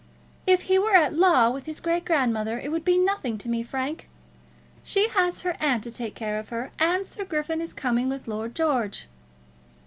"If he were at law with his great grandmother, it would be nothing to me, Frank. She has her aunt to take care of her, and Sir Griffin is coming with Lord George."